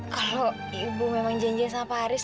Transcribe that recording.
kalau ibu memang janjian sama pak haris